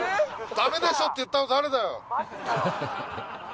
ダメでしょって言ったの誰だよ？